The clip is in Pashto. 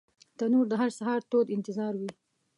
تنور د هر سهار تود انتظار وي